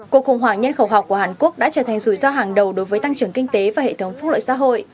cuộc khủng hoảng nhân khẩu học của hàn quốc đã trở thành rủi ro hàng đầu đối với tăng trưởng kinh tế và hệ thống phúc lợi xã hội